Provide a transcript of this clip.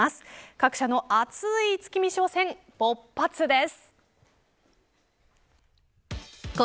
各社の熱い月見商戦勃発です。